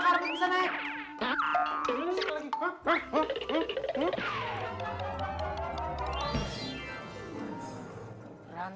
ke mas di kendaraan